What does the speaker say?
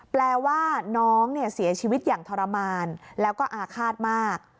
แปลว่าน้องเนี่ยเสียชีวิตอย่างทรมานแล้วก็อาฆาตมาก